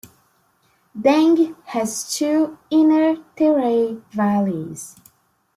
Dang has two "Inner Terai Valleys".